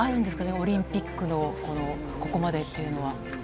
オリンピックのここまでっていうのは。